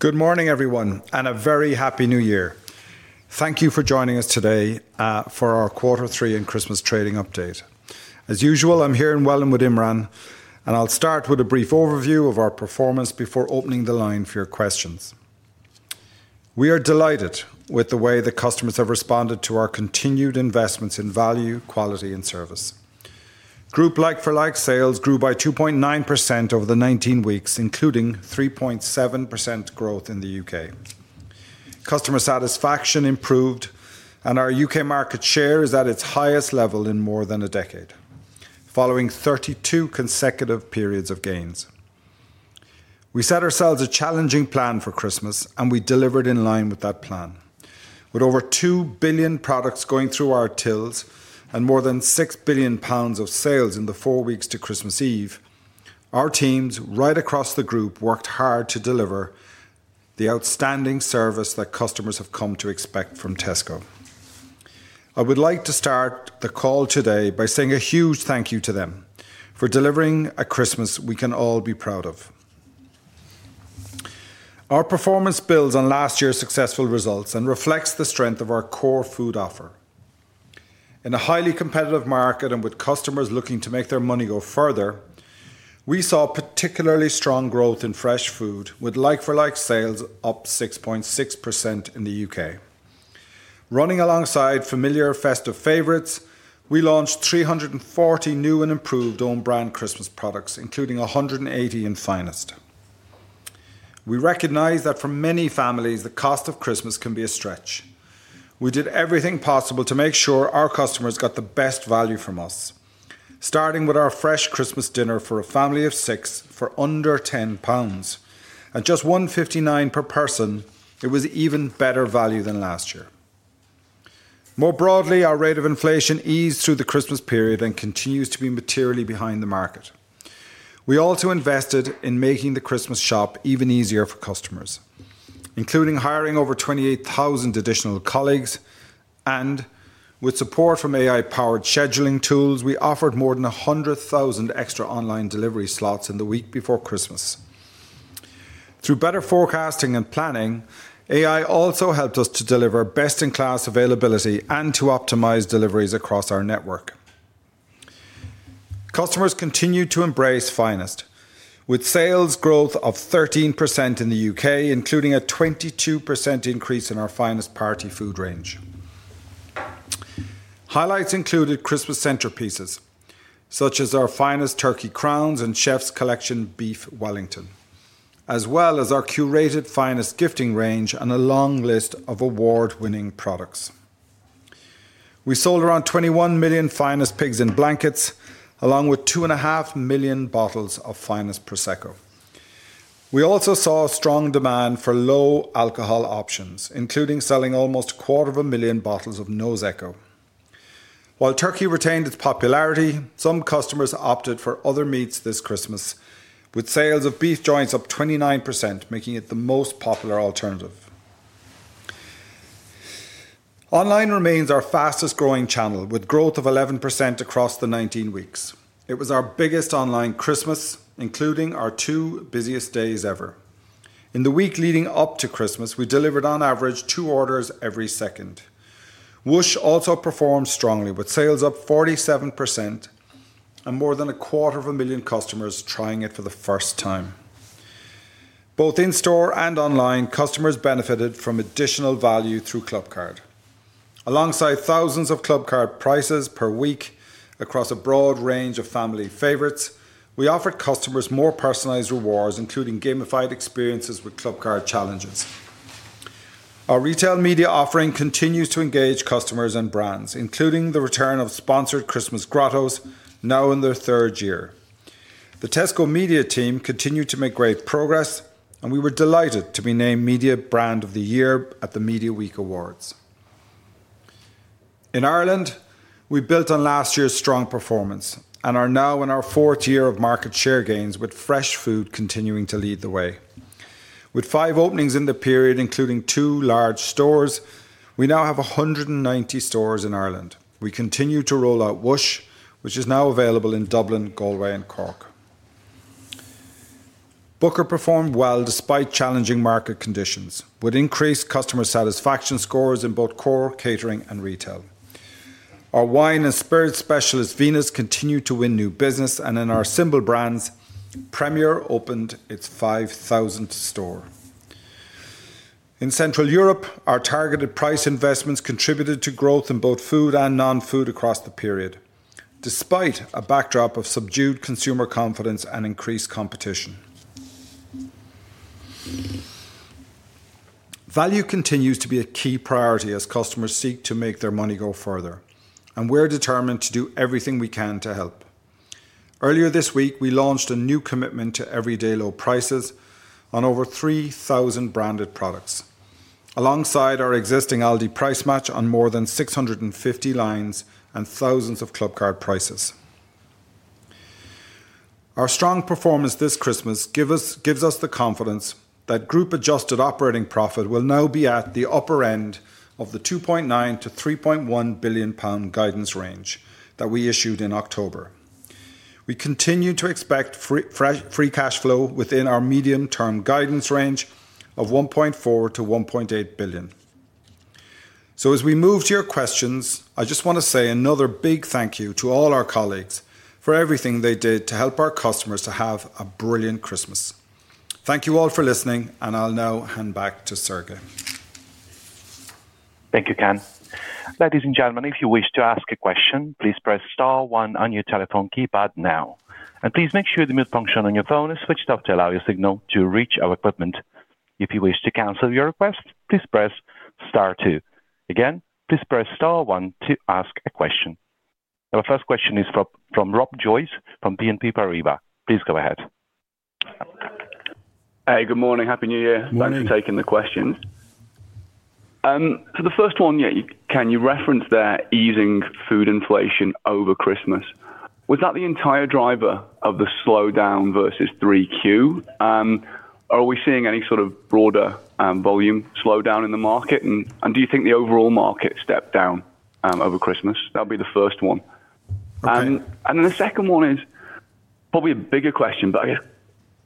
Good morning, everyone, and a very happy New Year. Thank you for joining us today for our Quarter Three and Christmas Trading Update. As usual, I'm here in Welwyn with Imran, and I'll start with a brief overview of our performance before opening the line for your questions. We are delighted with the way the customers have responded to our continued investments in value, quality, and service. Group like-for-like sales grew by 2.9% over the 19 weeks, including 3.7% growth in the U.K. Customer satisfaction improved, and our U.K. market share is at its highest level in more than a decade, following 32 consecutive periods of gains. We set ourselves a challenging plan for Christmas, and we delivered in line with that plan. With over 2 billion products going through our tills and more than 6 billion pounds of sales in the four weeks to Christmas Eve, our teams right across the group worked hard to deliver the outstanding service that customers have come to expect from Tesco. I would like to start the call today by saying a huge thank you to them for delivering a Christmas we can all be proud of. Our performance builds on last year's successful results and reflects the strength of our core food offer. In a highly competitive market and with customers looking to make their money go further, we saw particularly strong growth in fresh food, with like-for-like sales up 6.6% in the U.K. Running alongside familiar festive favorites, we launched 340 new and improved own-brand Christmas products, including 180 in Finest. We recognize that for many families, the cost of Christmas can be a stretch. We did everything possible to make sure our customers got the best value from us, starting with our fresh Christmas dinner for a family of six for under 10 pounds. At just 1.59 per person, it was even better value than last year. More broadly, our rate of inflation eased through the Christmas period and continues to be materially behind the market. We also invested in making the Christmas shop even easier for customers, including hiring over 28,000 additional colleagues. And with support from AI-powered scheduling tools, we offered more than 100,000 extra online delivery slots in the week before Christmas. Through better forecasting and planning, AI also helped us to deliver best-in-class availability and to optimize deliveries across our network. Customers continue to embrace Finest, with sales growth of 13% in the U.K., including a 22% increase in our Finest party food range. Highlights included Christmas centerpieces, such as our Finest turkey crowns and Chef's Collection Beef Wellington, as well as our curated Finest gifting range and a long list of award-winning products. We sold around 21 million Finest Pigs in Blankets, along with 2.5 million bottles of Finest Prosecco. We also saw strong demand for low-alcohol options, including selling almost 250,000 bottles of Nozeco. While turkey retained its popularity, some customers opted for other meats this Christmas, with sales of beef joints up 29%, making it the most popular alternative. Online remains our fastest-growing channel, with growth of 11% across the 19 weeks. It was our biggest online Christmas, including our two busiest days ever. In the week leading up to Christmas, we delivered on average two orders every second. Whoosh also performed strongly, with sales up 47% and more than 250,000 customers trying it for the first time. Both in-store and online, customers benefited from additional value through Clubcard. Alongside thousands of Clubcard Prices per week across a broad range of family favorites, we offered customers more personalized rewards, including gamified experiences with Clubcard Challenges. Our retail media offering continues to engage customers and brands, including the return of sponsored Christmas grottos, now in their third year. The Tesco Media team continued to make great progress, and we were delighted to be named Media Brand of the Year at the Media Week Awards. In Ireland, we built on last year's strong performance and are now in our fourth year of market share gains, with fresh food continuing to lead the way. With five openings in the period, including two large stores, we now have 190 stores in Ireland. We continue to roll out Whoosh, which is now available in Dublin, Galway, and Cork. Booker performed well despite challenging market conditions, with increased customer satisfaction scores in both core, catering, and retail. Our wine and spirits specialist, Venus, continued to win new business, and in our symbol brands, Premier opened its 5,000th store. In Central Europe, our targeted price investments contributed to growth in both food and non-food across the period, despite a backdrop of subdued consumer confidence and increased competition. Value continues to be a key priority as customers seek to make their money go further, and we're determined to do everything we can to help. Earlier this week, we launched a new commitment to Everyday Low Prices on over 3,000 branded products, alongside our existing Aldi Price Match on more than 650 lines and thousands of Clubcard Prices. Our strong performance this Christmas gives us the confidence that group-adjusted operating profit will now be at the upper end of the 2.9 billion-3.1 billion pound guidance range that we issued in October. We continue to expect free cash flow within our medium-term guidance range of 1.4 billion-1.8 billion. So, as we move to your questions, I just want to say another big thank you to all our colleagues for everything they did to help our customers to have a brilliant Christmas. Thank you all for listening, and I'll now hand back to Sergey. Thank you, Ken. Ladies and gentlemen, if you wish to ask a question, please press Star 1 on your telephone keypad now, and please make sure the mute function on your phone is switched off to allow your signal to reach our equipment. If you wish to cancel your request, please press Star 2. Again, please press Star 1 to ask a question. Our first question is from Rob Joyce from BNP Paribas. Please go ahead. Hey, good morning. Happy New Year. Thanks for taking the question. For the first one, Ken, you referenced that easing food inflation over Christmas. Was that the entire driver of the slowdown versus 3Q? Are we seeing any sort of broader volume slowdown in the market? And do you think the overall market stepped down over Christmas? That'll be the first one. And then the second one is probably a bigger question, but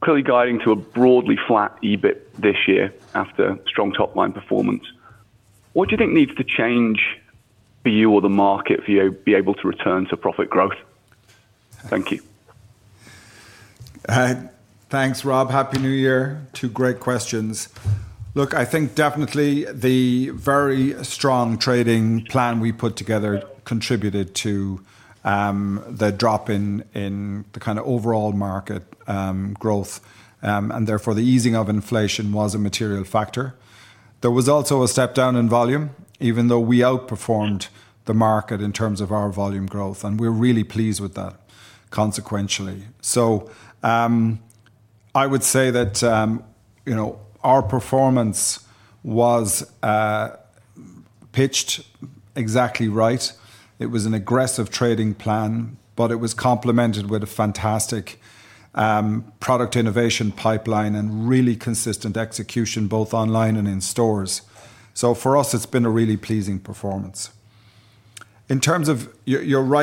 clearly guiding to a broadly flat EBIT this year after strong top-line performance. What do you think needs to change for you or the market for you to be able to return to profit growth? Thank you. Thanks, Rob. Happy New Year. Two great questions. Look, I think definitely the very strong trading plan we put together contributed to the drop in the kind of overall market growth, and therefore the easing of inflation was a material factor. There was also a step down in volume, even though we outperformed the market in terms of our volume growth, and we're really pleased with that consequently. So, I would say that our performance was pitched exactly right. It was an aggressive trading plan, but it was complemented with a fantastic product innovation pipeline and really consistent execution, both online and in stores. So, for us, it's been a really pleasing performance. In terms of your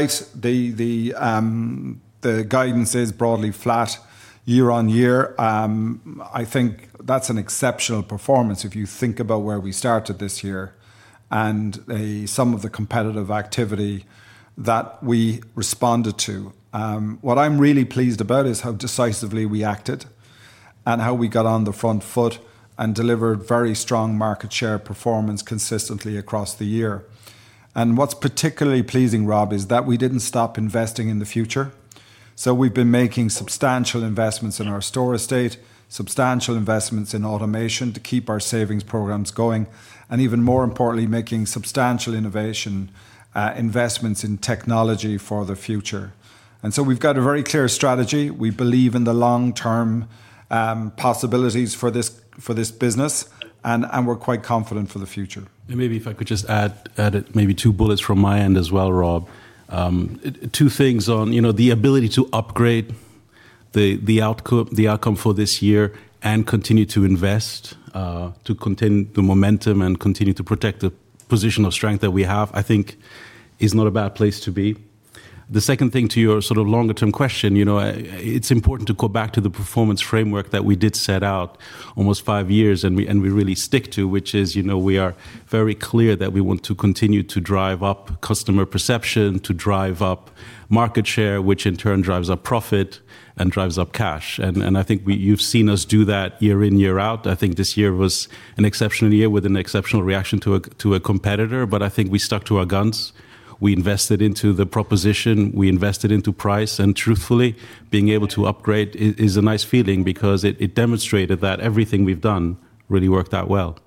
second, the guidance is broadly flat year on year. I think that's an exceptional performance if you think about where we started this year and some of the competitive activity that we responded to. What I'm really pleased about is how decisively we acted and how we got on the front foot and delivered very strong market share performance consistently across the year. And what's particularly pleasing, Rob, is that we didn't stop investing in the future. So, we've been making substantial investments in our store estate, substantial investments in automation to keep our savings programs going, and even more importantly, making substantial innovation investments in technology for the future. And so, we've got a very clear strategy. We believe in the long-term possibilities for this business, and we're quite confident for the future. And maybe if I could just add maybe two bullets from my end as well, Rob. Two things on the ability to upgrade the outcome for this year and continue to invest to contain the momentum and continue to protect the position of strength that we have, I think is not a bad place to be. The second thing to your sort of longer-term question, it's important to go back to the performance framework that we did set out almost five years and we really stick to, which is we are very clear that we want to continue to drive up customer perception, to drive up market share, which in turn drives up profit and drives up cash. And I think you've seen us do that year in, year out. I think this year was an exceptional year with an exceptional reaction to a competitor, but I think we stuck to our guns. We invested into the proposition. We invested into price. And truthfully, being able to upgrade is a nice feeling because it demonstrated that everything we've done really worked out well.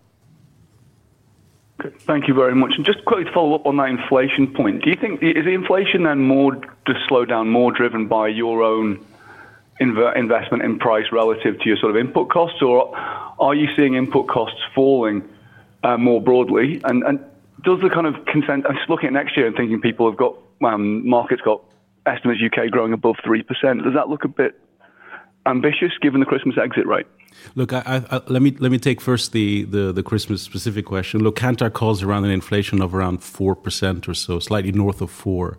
Thank you very much. And just quickly to follow up on that inflation point, do you think is the inflation and more just slowdown more driven by your own investment in price relative to your sort of input costs, or are you seeing input costs falling more broadly? And does the kind of consensus, I'm just looking at next year and thinking the market's got estimates U.K. growing above 3%, does that look a bit ambitious given the Christmas exit rate? Look, let me take first the Christmas specific question. Look, in our calls around an inflation of around 4% or so, slightly north of 4%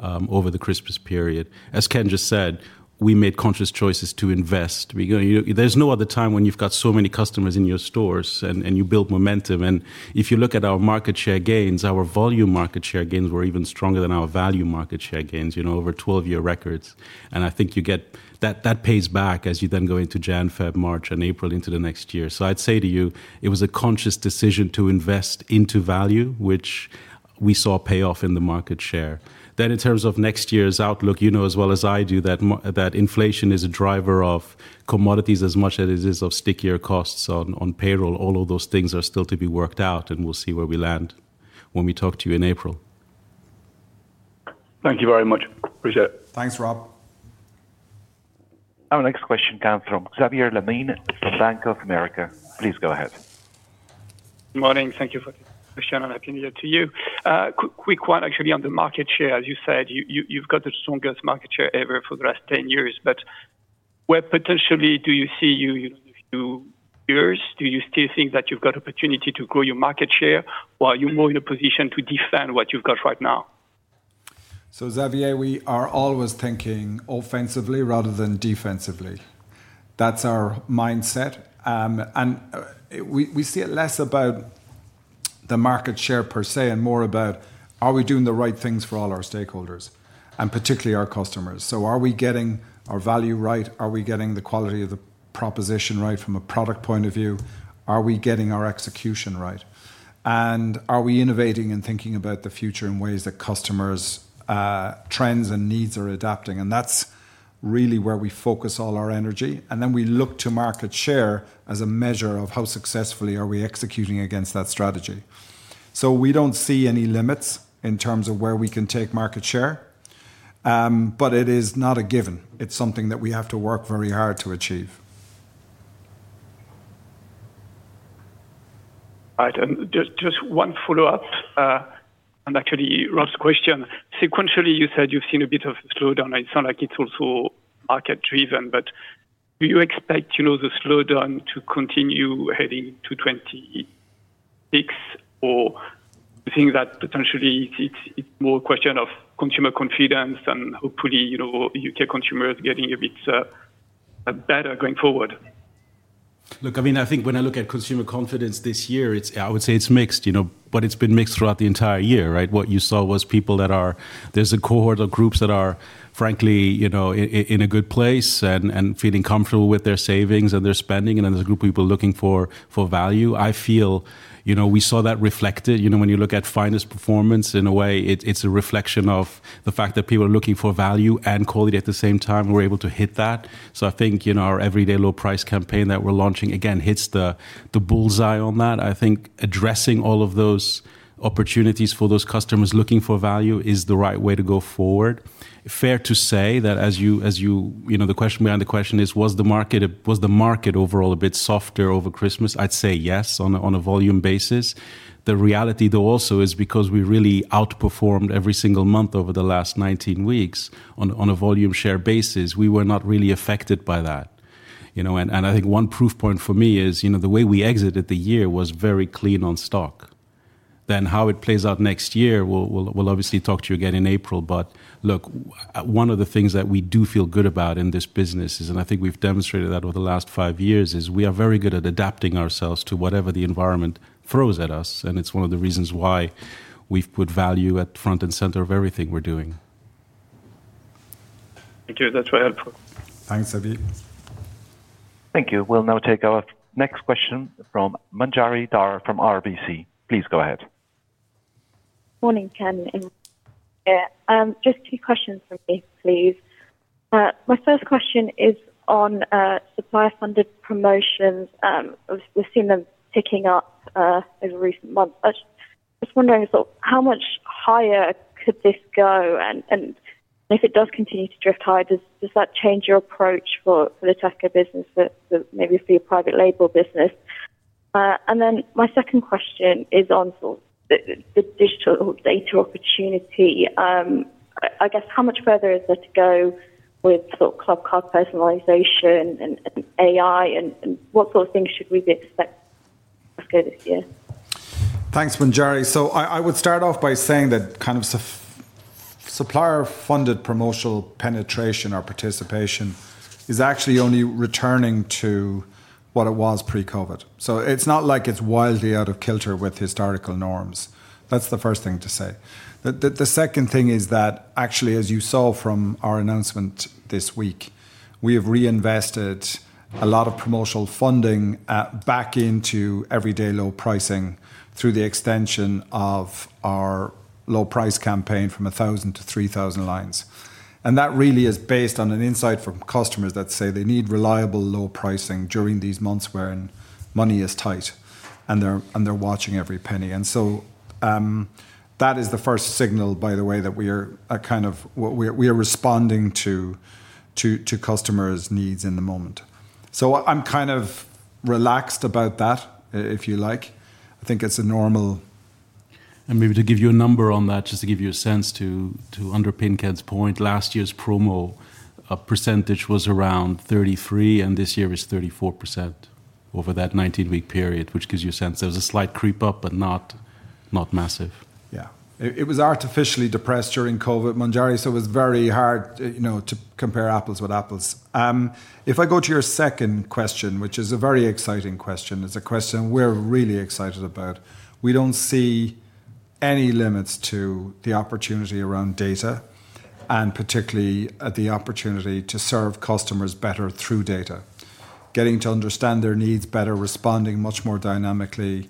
over the Christmas period? As Ken just said, we made conscious choices to invest. There's no other time when you've got so many customers in your stores and you build momentum, and if you look at our market share gains, our volume market share gains were even stronger than our value market share gains, over 12-year records, and I think you get that that pays back as you then go into January-February-March and April into the next year, so I'd say to you, it was a conscious decision to invest into value, which we saw pay off in the market share. Then in terms of next year's outlook, you know as well as I do that inflation is a driver of commodities as much as it is of stickier costs on payroll. All of those things are still to be worked out, and we'll see where we land when we talk to you in April. Thank you very much. Appreciate it. Thanks, Rob. Our next question comes from Xavier Le Mené from Bank of America. Please go ahead. Good morning. Thank you for the question and happy New Year to you. Quick one, actually, on the market share. As you said, you've got the strongest market share ever for the last 10 years, but where potentially do you see you in a few years? Do you still think that you've got opportunity to grow your market share, or are you more in a position to defend what you've got right now? So, Xavier, we are always thinking offensively rather than defensively. That's our mindset. And we see it less about the market share per se and more about are we doing the right things for all our stakeholders and particularly our customers? So, are we getting our value right? Are we getting the quality of the proposition right from a product point of view? Are we getting our execution right? And are we innovating and thinking about the future in ways that customers' trends and needs are adapting? And that's really where we focus all our energy. And then we look to market share as a measure of how successfully are we executing against that strategy. So, we don't see any limits in terms of where we can take market share, but it is not a given. It's something that we have to work very hard to achieve. All right. And just one follow-up, and actually Rob's question. Sequentially, you said you've seen a bit of a slowdown. It sounds like it's also market-driven, but do you expect the slowdown to continue heading to 2026, or do you think that potentially it's more a question of consumer confidence and hopefully U.K. consumers getting a bit better going forward? Look, I mean, I think when I look at consumer confidence this year, I would say it's mixed, but it's been mixed throughout the entire year, right? What you saw was people that are. There's a cohort of groups that are frankly in a good place and feeling comfortable with their savings and their spending, and then there's a group of people looking for value. I feel we saw that reflected. When you look at Finest performance, in a way, it's a reflection of the fact that people are looking for value and quality at the same time. We're able to hit that. So, I think our everyday low price campaign that we're launching, again, hits the bull's eye on that. I think addressing all of those opportunities for those customers looking for value is the right way to go forward. Fair to say that the question behind the question is, was the market overall a bit softer over Christmas? I'd say yes, on a volume basis. The reality, though, also is because we really outperformed every single month over the last 19 weeks on a volume share basis, we were not really affected by that, and I think one proof point for me is the way we exited the year was very clean on stock, then how it plays out next year, we'll obviously talk to you again in April, but look, one of the things that we do feel good about in this business, and I think we've demonstrated that over the last five years, is we are very good at adapting ourselves to whatever the environment throws at us. And it's one of the reasons why we've put value at front and center of everything we're doing. Thank you. That's very helpful. Thanks, Xavier. Thank you. We'll now take our next question from Manjari Dhar from RBC. Please go ahead. Morning, Ken. Just two questions for me, please. My first question is on supplier-funded promotions. We've seen them ticking up over recent months. Just wondering how much higher could this go? And if it does continue to drift higher, does that change your approach for the Tesco business, maybe for your private label business? And then my second question is on the digital data opportunity. I guess how much further is there to go with Clubcard personalization and AI? And what sort of things should we be expecting this year? Thanks, Manjari. I would start off by saying that kind of supplier-funded promotional penetration or participation is actually only returning to what it was pre-COVID. It's not like it's wildly out of kilter with historical norms. That's the first thing to say. The second thing is that actually, as you saw from our announcement this week, we have reinvested a lot of promotional funding back into everyday low pricing through the extension of our low price campaign from 1,000 to 3,000 lines. That really is based on an insight from customers that say they need reliable low pricing during these months where money is tight, and they're watching every penny. That is the first signal, by the way, that we are kind of responding to customers' needs in the moment. I'm kind of relaxed about that, if you like. I think it's a normal. Maybe to give you a number on that, just to give you a sense to underpin Ken's point, last year's promo percentage was around 33%, and this year is 34% over that 19-week period, which gives you a sense there was a slight creep up, but not massive. Yeah. It was artificially depressed during COVID, Manjari, so it was very hard to compare apples with apples. If I go to your second question, which is a very exciting question, it's a question we're really excited about. We don't see any limits to the opportunity around data and particularly the opportunity to serve customers better through data, getting to understand their needs better, responding much more dynamically,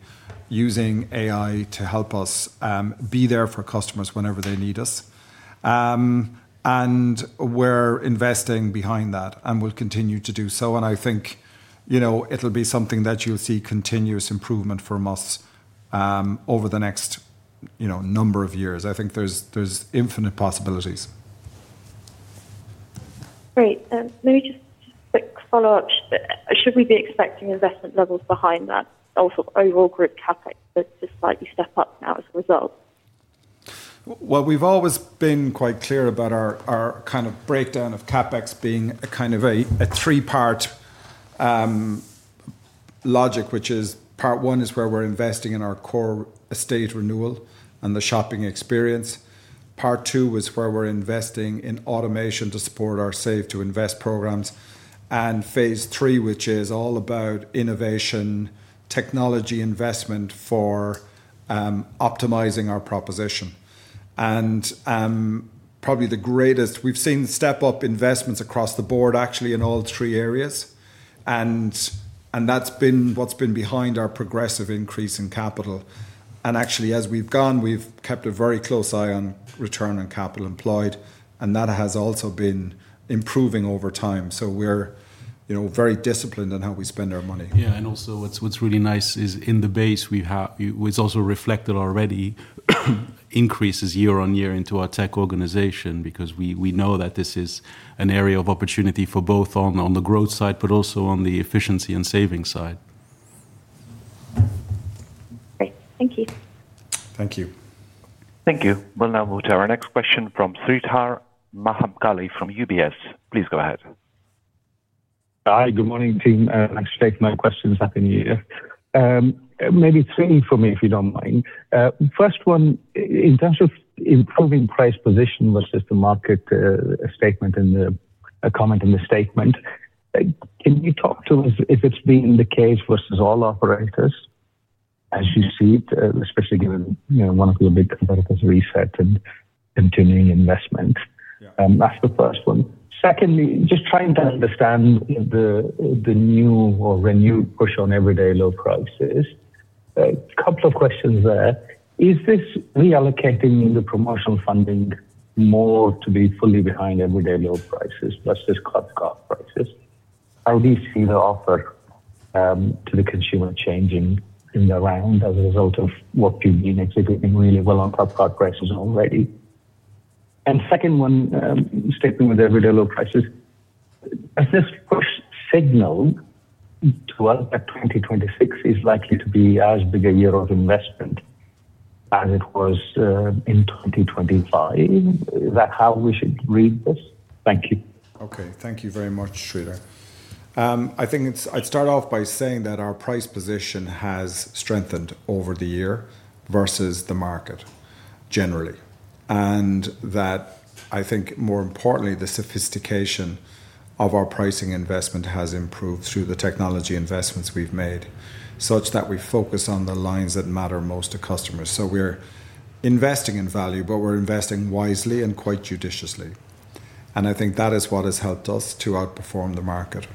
using AI to help us be there for customers whenever they need us. And we're investing behind that and will continue to do so. And I think it'll be something that you'll see continuous improvement from us over the next number of years. I think there's infinite possibilities. Great. Maybe just a quick follow-up. Should we be expecting investment levels behind that, also overall group CapEx, but just slightly step up now as a result? We've always been quite clear about our kind of breakdown of CapEx being a kind of a three-part logic, which is part one is where we're investing in our core estate renewal and the shopping experience. Part two is where we're investing in automation to support our Save to Invest programs. And phase three, which is all about innovation, technology investment for optimizing our proposition. And probably the greatest, we've seen step-up investments across the board, actually, in all three areas. And that's been what's been behind our progressive increase in capital. And actually, as we've gone, we've kept a very close eye on return on capital employed, and that has also been improving over time. So, we're very disciplined in how we spend our money. Yeah, and also, what's really nice is in the base, it's also reflected. Already increases year on year into our tech organization because we know that this is an area of opportunity for both on the growth side, but also on the efficiency and saving side. Great. Thank you. Thank you. Thank you. We'll now move to our next question from Sreedhar Mahamkali from UBS. Please go ahead. Hi, good morning, team. Nice to tee up my questions here. Maybe three for me, if you don't mind. First one, in terms of improving price position versus the market. Statement and the comment in the statement, can you talk to us if it's been the case versus all operators, as you see it, especially given one of your big competitors' reset and continuing investment? That's the first one. Secondly, just trying to understand the new or renewed push on Everyday Low Prices. A couple of questions there. Is this reallocating the promotional funding more to be fully behind Everyday Low Prices versus Clubcard Prices? How do you see the offer to the consumer changing in the round as a result of what you've been executing really well on Clubcard Prices already? Second one, statement with Everyday Low Prices, is this push signal to us that 2026 is likely to be as big a year of investment as it was in 2025? Is that how we should read this? Thank you. Okay. Thank you very much, Sreedhar. I think I'd start off by saying that our price position has strengthened over the year versus the market generally, and that I think, more importantly, the sophistication of our pricing investment has improved through the technology investments we've made such that we focus on the lines that matter most to customers, so we're investing in value, but we're investing wisely and quite judiciously, and I think that is what has helped us to outperform the market.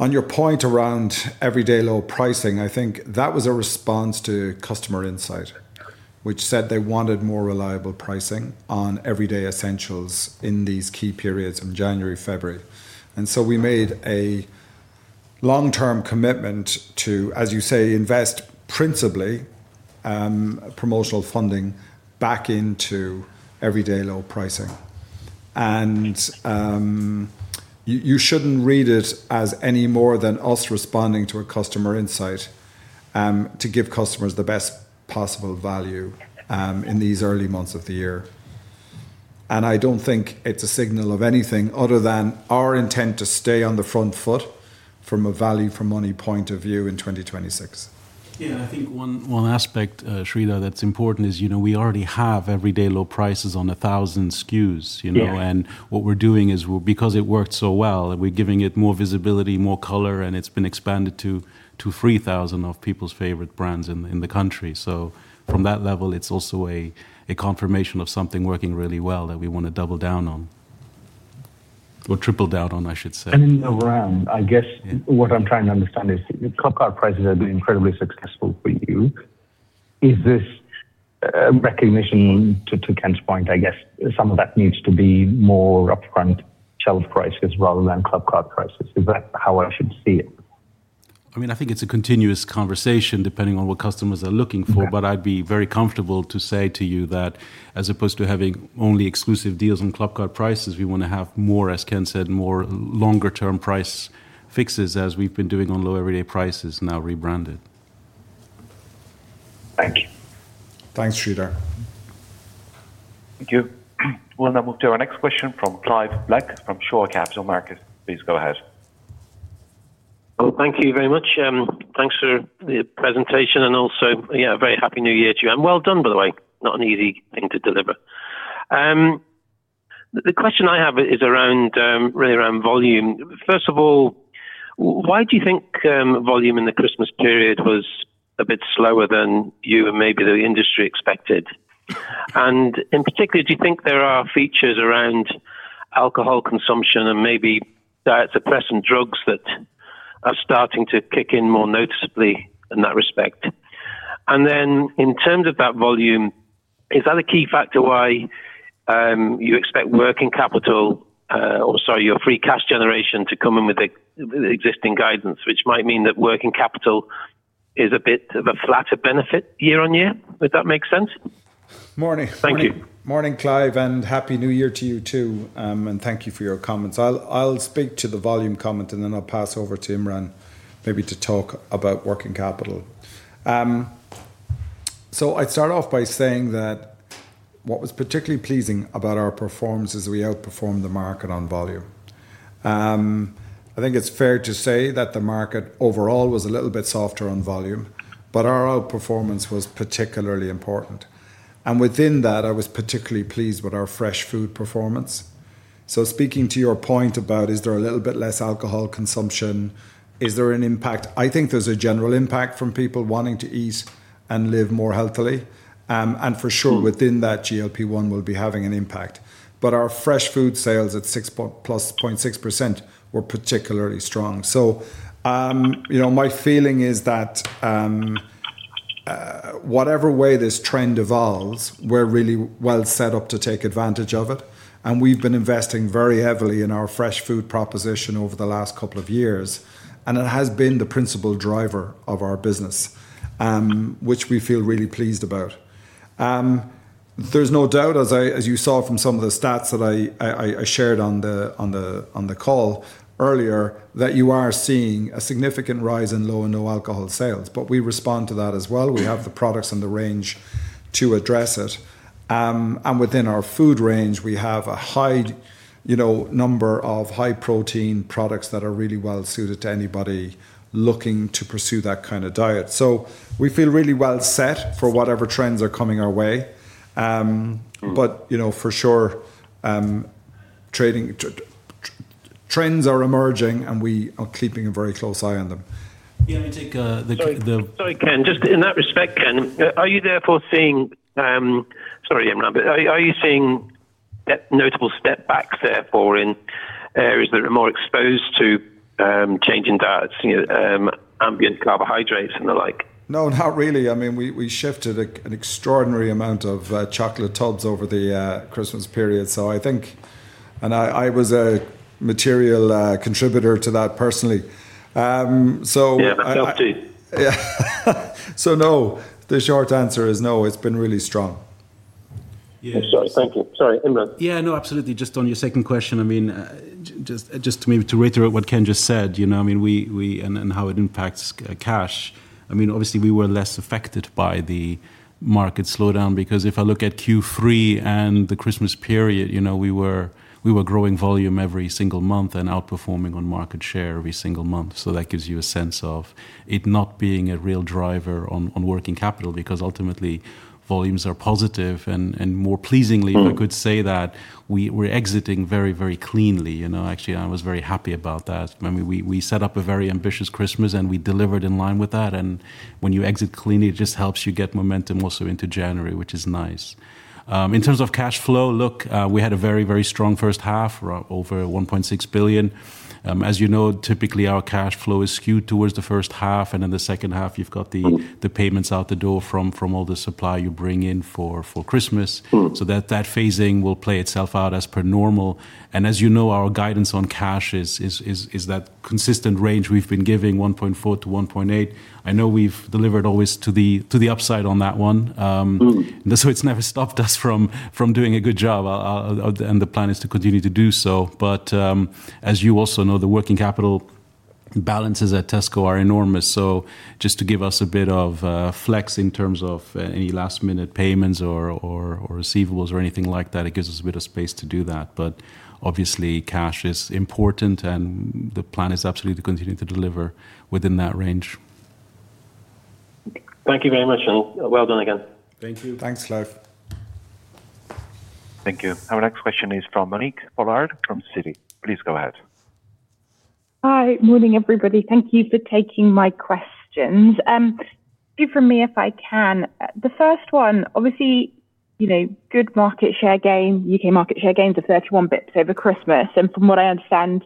On your point around everyday low pricing, I think that was a response to customer insight, which said they wanted more reliable pricing on everyday essentials in these key periods from January-February, and so we made a long-term commitment to, as you say, invest principally promotional funding back into everyday low pricing. And you shouldn't read it as any more than us responding to a customer insight to give customers the best possible value in these early months of the year. And I don't think it's a signal of anything other than our intent to stay on the front foot from a value-for-money point of view in 2026. Yeah. I think one aspect, Sreedhar, that's important is we already have Everyday Low Prices on 1,000 SKUs. And what we're doing is because it worked so well, we're giving it more visibility, more color, and it's been expanded to 3,000 of people's favorite brands in the country. So, from that level, it's also a confirmation of something working really well that we want to double down on or triple down on, I should say. In the round, I guess what I'm trying to understand is Clubcard Prices have been incredibly successful for you. Is this recognition to Ken's point, I guess some of that needs to be more upfront shelf prices rather than Clubcard Prices? Is that how I should see it? I mean, I think it's a continuous conversation depending on what customers are looking for. But I'd be very comfortable to say to you that as opposed to having only exclusive deals on Clubcard Prices, we want to have more, as Ken said, more longer-term price fixes as we've been doing on Low Everyday Prices now rebranded. Thank you. Thanks, Sreedhar. Thank you. We'll now move to our next question from Clive Black from Shore Capital Markets. Please go ahead. Thank you very much. Thanks for the presentation. Yeah, a very happy new year to you. Well done, by the way. Not an easy thing to deliver. The question I have is really around volume. First of all, why do you think volume in the Christmas period was a bit slower than you and maybe the industry expected? In particular, do you think there are features around alcohol consumption and maybe diet suppressant drugs that are starting to kick in more noticeably in that respect? Then in terms of that volume, is that a key factor why you expect working capital or, sorry, your free cash generation to come in with existing guidance, which might mean that working capital is a bit of a flatter benefit year on year? Would that make sense? Morning. Thank you. Morning, Clive, and happy new year to you too. And thank you for your comments. I'll speak to the volume comment, and then I'll pass over to Imran maybe to talk about working capital. So, I'd start off by saying that what was particularly pleasing about our performance is we outperformed the market on volume. I think it's fair to say that the market overall was a little bit softer on volume, but our outperformance was particularly important. And within that, I was particularly pleased with our fresh food performance. So, speaking to your point about is there a little bit less alcohol consumption, is there an impact? I think there's a general impact from people wanting to eat and live more healthily. And for sure, within that, GLP-1 will be having an impact. But our fresh food sales at 6.6% were particularly strong. My feeling is that whatever way this trend evolves, we're really well set up to take advantage of it. We've been investing very heavily in our fresh food proposition over the last couple of years. It has been the principal driver of our business, which we feel really pleased about. There's no doubt, as you saw from some of the stats that I shared on the call earlier, that you are seeing a significant rise in low and no alcohol sales. We respond to that as well. We have the products and the range to address it. Within our food range, we have a high number of high-protein products that are really well suited to anybody looking to pursue that kind of diet. We feel really well set for whatever trends are coming our way. But for sure, trends are emerging, and we are keeping a very close eye on them. Yeah, let me take the. Sorry, Ken. Just in that respect, Ken, are you therefore seeing, sorry, Imran, but are you seeing notable setbacks therefore in areas that are more exposed to changing diets, ambient carbohydrates, and the like? No, not really. I mean, we shifted an extraordinary amount of chocolate tubs over the Christmas period, so I think, and I was a material contributor to that personally, so. Yeah, so no, the short answer is no. It's been really strong. Yeah. Sorry, Imran. Yeah, no, absolutely. Just on your second question, I mean, just maybe to reiterate what Ken just said, you know, I mean, and how it impacts cash. I mean, obviously, we were less affected by the market slowdown because if I look at Q3 and the Christmas period, we were growing volume every single month and outperforming on market share every single month. So, that gives you a sense of it not being a real driver on working capital because ultimately, volumes are positive. And more pleasingly, I could say that we're exiting very, very cleanly. Actually, I was very happy about that. I mean, we set up a very ambitious Christmas, and we delivered in line with that. And when you exit cleanly, it just helps you get momentum also into January, which is nice. In terms of cash flow, look, we had a very, very strong first half, over 1.6 billion. As you know, typically, our cash flow is skewed towards the first half. And in the second half, you've got the payments out the door from all the supply you bring in for Christmas. So, that phasing will play itself out as per normal. And as you know, our guidance on cash is that consistent range we've been giving, 1.4 billion-1.8 billion. I know we've delivered always to the upside on that one. So, it's never stopped us from doing a good job. And the plan is to continue to do so. But as you also know, the working capital balances at Tesco are enormous. So, just to give us a bit of flex in terms of any last-minute payments or receivables or anything like that, it gives us a bit of space to do that. But obviously, cash is important, and the plan is absolutely to continue to deliver within that range. Thank you very much, and well done again. Thank you. Thanks, Clive. Thank you. Our next question is from Monique Pollard from Citi. Please go ahead. Hi, morning, everybody. Thank you for taking my questions. Two from me if I can. The first one, obviously, good market share gains, U.K. market share gains of 31 basis points over Christmas, and from what I understand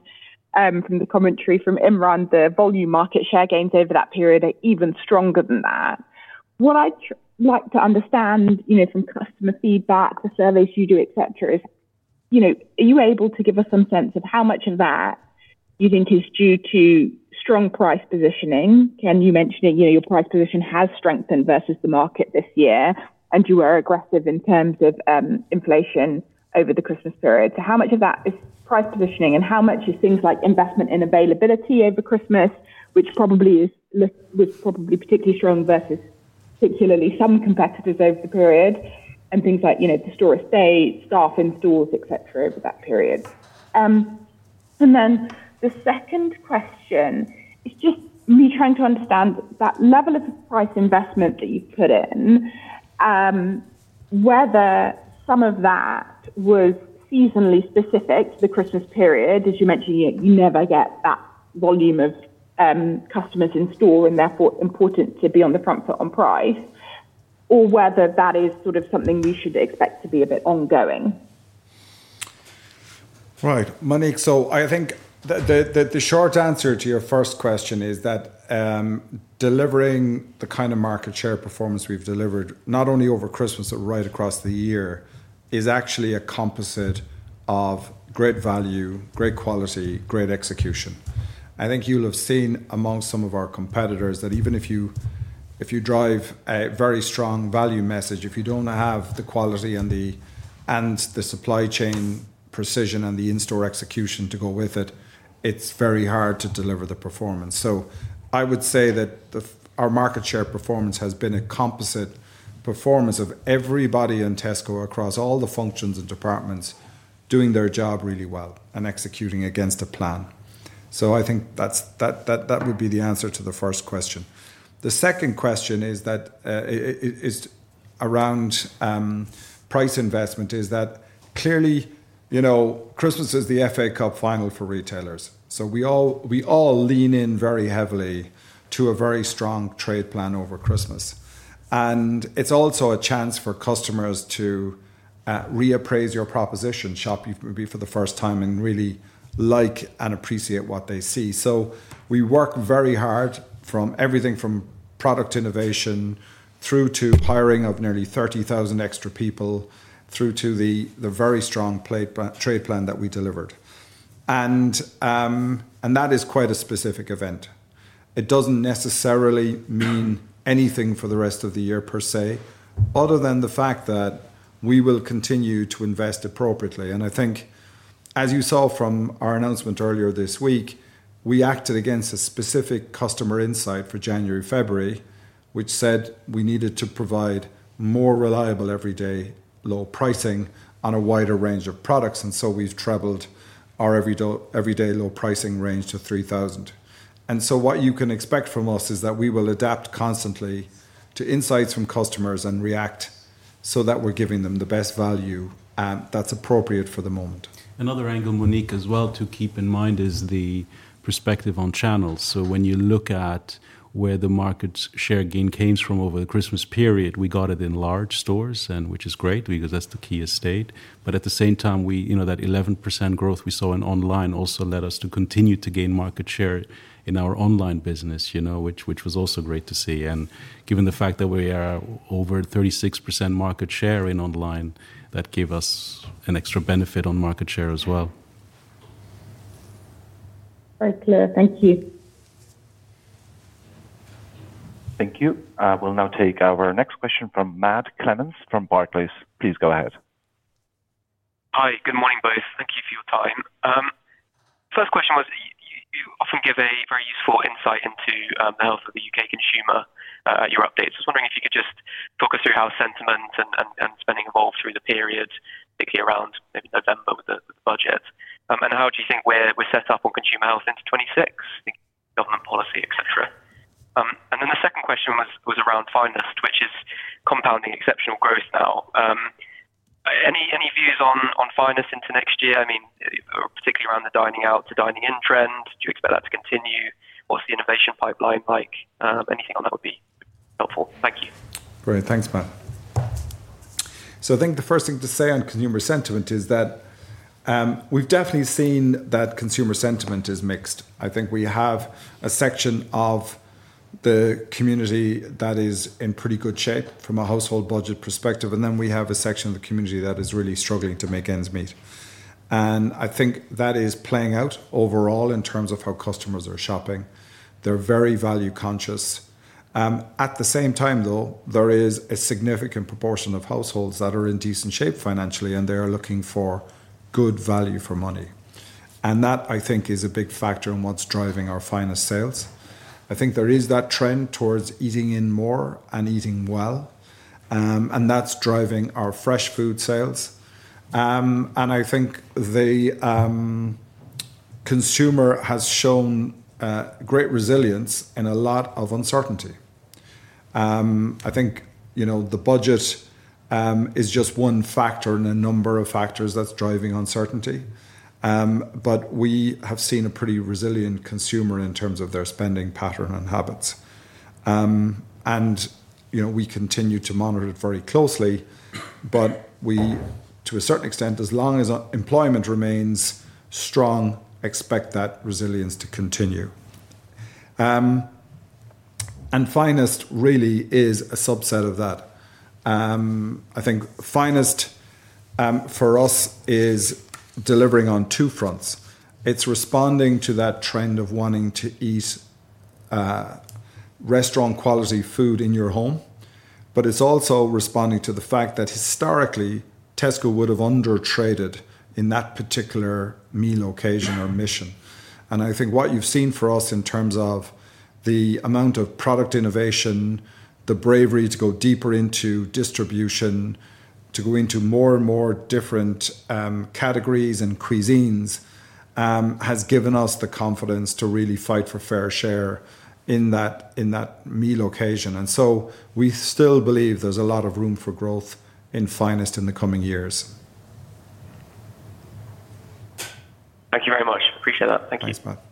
from the commentary from Imran, the volume market share gains over that period are even stronger than that. What I'd like to understand from customer feedback, the surveys you do, etc., is are you able to give us some sense of how much of that you think is due to strong price positioning? Ken, you mentioned your price position has strengthened versus the market this year, and you were aggressive in terms of inflation over the Christmas period. So, how much of that is price positioning, and how much is things like investment in availability over Christmas, which probably is particularly strong versus particularly some competitors over the period, and things like the store estate, staff in stores, etc., over that period? And then the second question is just me trying to understand that level of price investment that you've put in, whether some of that was seasonally specific to the Christmas period, as you mentioned, you never get that volume of customers in store, and therefore, important to be on the front foot on price, or whether that is sort of something we should expect to be a bit ongoing. Right. Monique, so I think the short answer to your first question is that delivering the kind of market share performance we've delivered, not only over Christmas, but right across the year, is actually a composite of great value, great quality, great execution. I think you'll have seen among some of our competitors that even if you drive a very strong value message, if you don't have the quality and the supply chain precision and the in-store execution to go with it, it's very hard to deliver the performance. So, I would say that our market share performance has been a composite performance of everybody in Tesco across all the functions and departments doing their job really well and executing against a plan. So, I think that would be the answer to the first question. The second question is, that is, around price investment. Is that? Clearly, Christmas is the FA Cup final for retailers, so we all lean in very heavily to a very strong trade plan over Christmas, and it's also a chance for customers to reappraise your proposition, shop for the first time, and really like and appreciate what they see, so we work very hard from everything from product innovation through to hiring of nearly 30,000 extra people through to the very strong trade plan that we delivered, and that is quite a specific event. It doesn't necessarily mean anything for the rest of the year per se, other than the fact that we will continue to invest appropriately. I think, as you saw from our announcement earlier this week, we acted on a specific customer insight for January, February, which said we needed to provide more reliable everyday low pricing on a wider range of products. So, we've expanded our everyday low pricing range to 3,000. So, what you can expect from us is that we will adapt constantly to insights from customers and react so that we're giving them the best value that's appropriate for the moment. Another angle, Monique, as well to keep in mind is the perspective on channels. So, when you look at where the market share gain came from over the Christmas period, we got it in large stores, which is great because that's the key estate. But at the same time, that 11% growth we saw in online also led us to continue to gain market share in our online business, which was also great to see. And given the fact that we are over 36% market share in online, that gave us an extra benefit on market share as well. Very clear. Thank you. Thank you. We'll now take our next question from Matthew Clements from Barclays. Please go ahead. Hi, good morning both. Thank you for your time. First question was, you often give a very useful insight into the health of the U.K. consumer at your updates. Just wondering if you could just talk us through how sentiment and spending evolved through the period, particularly around November with the budget. And how do you think we're set up on consumer health into 2026, government policy, etc.? And then the second question was around Finest, which is compounding exceptional growth now. Any views on Finest into next year? I mean, particularly around the dining out to dining in trend, do you expect that to continue? What's the innovation pipeline like? Anything on that would be helpful. Thank you. Great. Thanks, Matt. So, I think the first thing to say on consumer sentiment is that we've definitely seen that consumer sentiment is mixed. I think we have a section of the community that is in pretty good shape from a household budget perspective. And then we have a section of the community that is really struggling to make ends meet. And I think that is playing out overall in terms of how customers are shopping. They're very value conscious. At the same time, though, there is a significant proportion of households that are in decent shape financially, and they are looking for good value for money. And that, I think, is a big factor in what's driving our Finest sales. I think there is that trend towards eating in more and eating well. And that's driving our fresh food sales. And I think the consumer has shown great resilience in a lot of uncertainty. I think the budget is just one factor in a number of factors that's driving uncertainty. But we have seen a pretty resilient consumer in terms of their spending pattern and habits. And we continue to monitor it very closely. But we, to a certain extent, as long as employment remains strong, expect that resilience to continue. And Finest really is a subset of that. I think Finest for us is delivering on two fronts. It's responding to that trend of wanting to eat restaurant quality food in your home. But it's also responding to the fact that historically, Tesco would have under traded in that particular meal occasion or mission. And I think what you've seen for us in terms of the amount of product innovation, the bravery to go deeper into distribution, to go into more and more different categories and cuisines, has given us the confidence to really fight for fair share in that meal occasion. And so, we still believe there's a lot of room for growth in Finest in the coming years. Thank you very much. Appreciate that. Thank you. Thanks, Matt.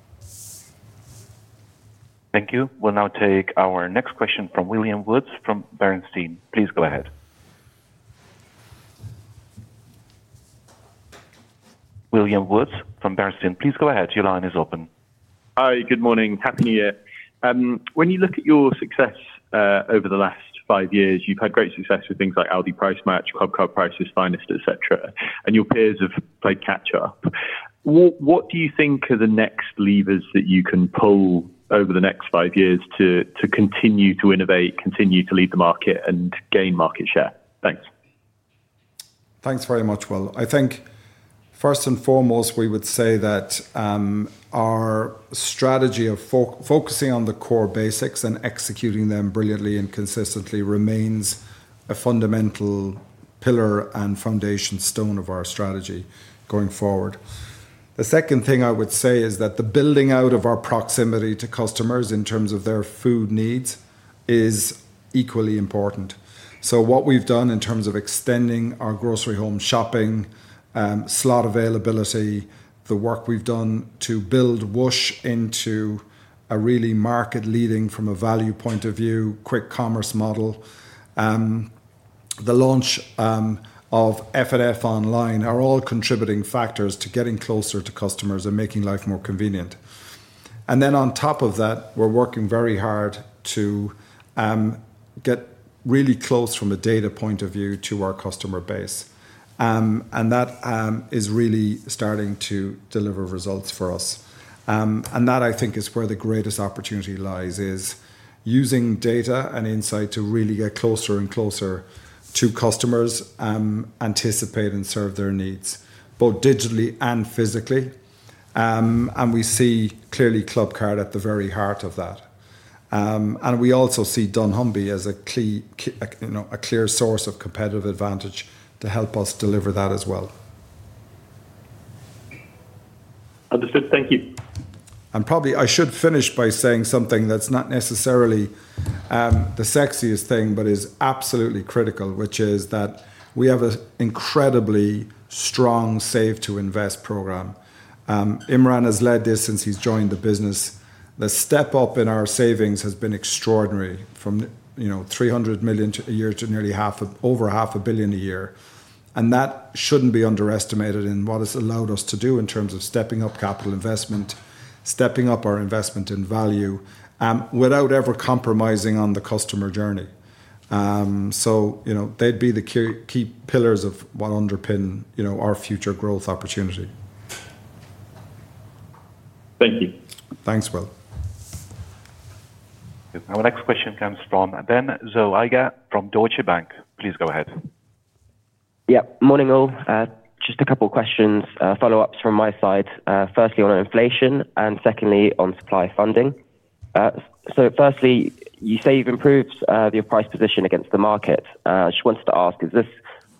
Thank you. We'll now take our next question from William Woods from Bernstein. Please go ahead. William Woods from Bernstein, please go ahead. Your line is open. Hi, good morning. Happy New Year. When you look at your success over the last five years, you've had great success with things like Aldi Price Match, Clubcard Prices, Finest, etc., and your peers have played catch-up. What do you think are the next levers that you can pull over the next five years to continue to innovate, continue to lead the market, and gain market share? Thanks. Thanks very much, Will. I think first and foremost, we would say that our strategy of focusing on the core basics and executing them brilliantly and consistently remains a fundamental pillar and foundation stone of our strategy going forward. The second thing I would say is that the building out of our proximity to customers in terms of their food needs is equally important. So, what we've done in terms of extending our grocery home shopping slot availability, the work we've done to build Whoosh into a really market-leading from a value point of view, quick commerce model, the launch of F&F online are all contributing factors to getting closer to customers and making life more convenient. And then on top of that, we're working very hard to get really close from a data point of view to our customer base. That is really starting to deliver results for us. That, I think, is where the greatest opportunity lies in using data and insight to really get closer and closer to customers, anticipate and serve their needs both digitally and physically. We see clearly Clubcard at the very heart of that. We also see Dunnhumby as a clear source of competitive advantage to help us deliver that as well. Understood. Thank you. Probably I should finish by saying something that's not necessarily the sexiest thing, but is absolutely critical, which is that we have an incredibly strong Save to Invest program. Imran has led this since he's joined the business. The step up in our savings has been extraordinary, from 300 million a year to nearly over 500 million a year. That shouldn't be underestimated in what it's allowed us to do in terms of stepping up capital investment, stepping up our investment in value without ever compromising on the customer journey. So, they'd be the key pillars of what underpin our future growth opportunity. Thank you. Thanks, Will. Our next question comes from Ben Zoega from Deutsche Bank. Please go ahead. Yeah, morning, all. Just a couple of questions, follow-ups from my side. Firstly, on inflation, and secondly, on supplier funding. So, firstly, you say you've improved your price position against the market. I just wanted to ask, is this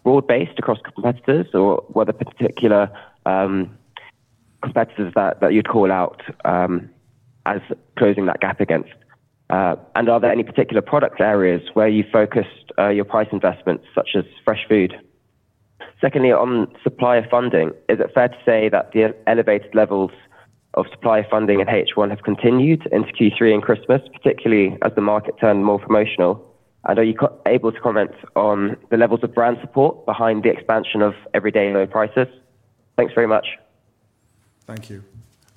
broad-based across competitors or were there particular competitors that you'd call out as closing that gap against? And are there any particular product areas where you focused your price investments, such as fresh food? Secondly, on supplier funding, is it fair to say that the elevated levels of supplier funding at H1 have continued into Q3 and Christmas, particularly as the market turned more promotional? And are you able to comment on the levels of brand support behind the expansion of Everyday Low Prices? Thanks very much. Thank you.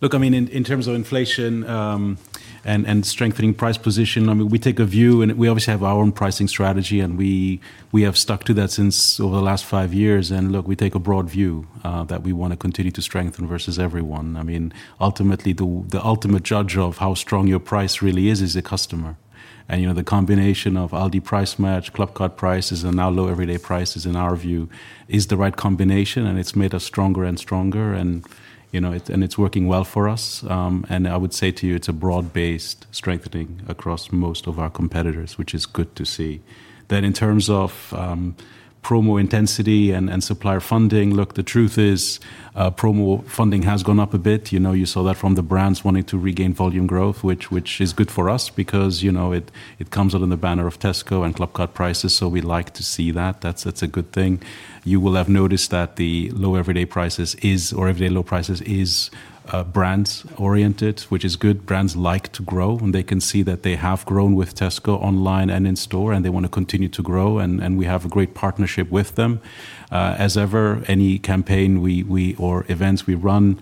Look, I mean, in terms of inflation and strengthening price position, I mean, we take a view, and we obviously have our own pricing strategy, and we have stuck to that since over the last five years. And look, we take a broad view that we want to continue to strengthen versus everyone. I mean, ultimately, the ultimate judge of how strong your price really is is the customer. And the combination of Aldi Price Match, Clubcard Prices, and now Low Everyday Prices in our view is the right combination, and it's made us stronger and stronger, and it's working well for us. And I would say to you, it's a broad-based strengthening across most of our competitors, which is good to see. Then in terms of promo intensity and supplier funding, look, the truth is promo funding has gone up a bit. You saw that from the brands wanting to regain volume growth, which is good for us because it comes out in the banner of Tesco and Clubcard Prices. So, we'd like to see that. That's a good thing. You will have noticed that the low everyday prices is, or Everyday Low Prices is brands-oriented, which is good. Brands like to grow, and they can see that they have grown with Tesco online and in store, and they want to continue to grow, and we have a great partnership with them. As ever, any campaign or events we run,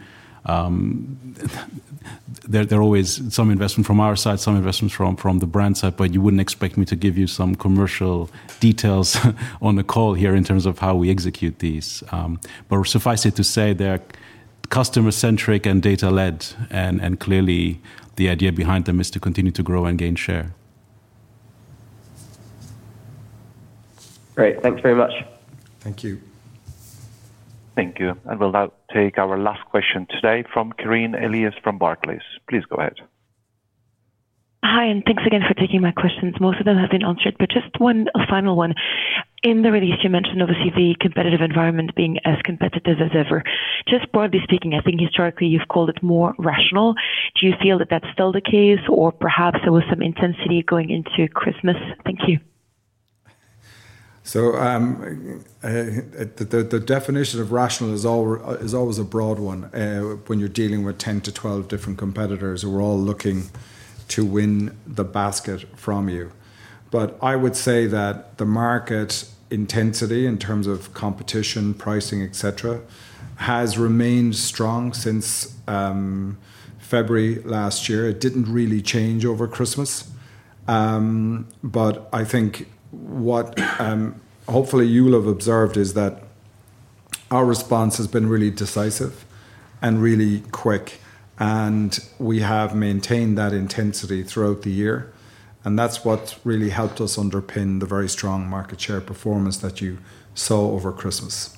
there are always some investments from our side, some investments from the brand side, but you wouldn't expect me to give you some commercial details on the call here in terms of how we execute these, but suffice it to say, they're customer-centric and data-led. Clearly, the idea behind them is to continue to grow and gain share. Great. Thanks very much. Thank you. Thank you, and we'll now take our last question today from Karine Elias from Barclays. Please go ahead. Hi, and thanks again for taking my questions. Most of them have been answered, but just one final one. In the release, you mentioned obviously the competitive environment being as competitive as ever. Just broadly speaking, I think historically you've called it more rational. Do you feel that that's still the case, or perhaps there was some intensity going into Christmas? Thank you. The definition of rational is always a broad one when you're dealing with 10-12 different competitors who are all looking to win the basket from you. But I would say that the market intensity in terms of competition, pricing, etc., has remained strong since February last year. It didn't really change over Christmas. But I think what hopefully you'll have observed is that our response has been really decisive and really quick. And we have maintained that intensity throughout the year. And that's what really helped us underpin the very strong market share performance that you saw over Christmas.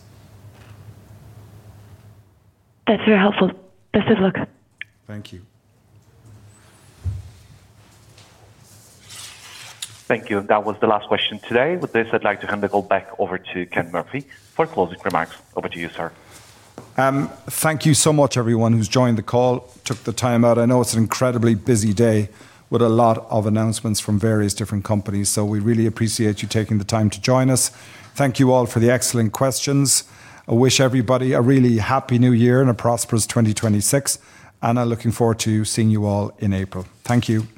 That's very helpful. That's a good look. Thank you. Thank you. And that was the last question today. With this, I'd like to hand the call back over to Ken Murphy for closing remarks. Over to you, sir. Thank you so much everyone who's joined the call, took the time out. I know it's an incredibly busy day with a lot of announcements from various different companies. So, we really appreciate you taking the time to join us. Thank you all for the excellent questions. I wish everybody a really happy New Year and a prosperous 2026. And I'm looking forward to seeing you all in April. Thank you. Goodbye.